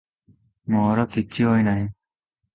ମୋର କିଛି ହୋଇନାହିଁ ।